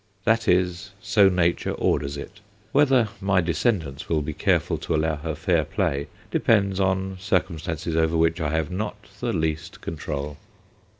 That is, so Nature orders it; whether my descendants will be careful to allow her fair play depends on circumstances over which I have not the least control.